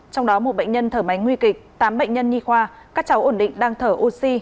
trong đó một bệnh nhân thở máy nguy kịch tám bệnh nhân nhi khoa các cháu ổn định đang thở oxy